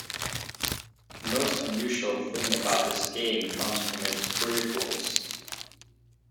The most unusual thing about this game comes from its prequels.